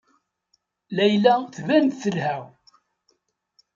Layla tban-d telha.